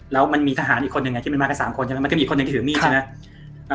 แล้วมันมีทหารอีกคนนึงไงที่มันมากัน๓คนใช่ไหมมันก็มีคนหนึ่งที่ถือมีดใช่ไหม